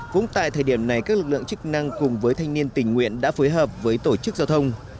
cũng tại thời điểm này các lực lượng chức năng cùng với thanh niên tình nguyện đã phối hợp với tổ chức giao thông